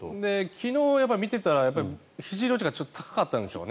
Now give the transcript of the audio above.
昨日、見ていてひじの位置がちょっと高かったんですよね。